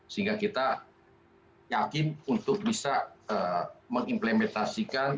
sehingga kita yakin untuk bisa mengimplementasikan